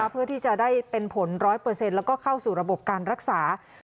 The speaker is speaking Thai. เพื่อที่จะได้เป็นผล๑๐๐แล้วก็เข้าสู่ระบบการรักษา